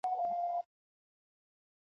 د کلونو مسافر یم د ښکاریانو له شامته ,